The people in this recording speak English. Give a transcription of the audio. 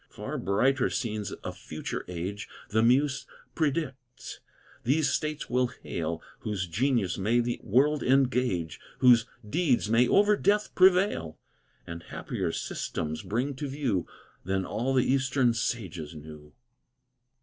Far brighter scenes a future age, The muse predicts, these States will hail, Whose genius may the world engage, Whose deeds may over death prevail, And happier systems bring to view Than all the eastern sages knew.